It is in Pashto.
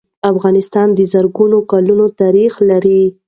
افغانستان د زرګونو کلونو تاریخ لري.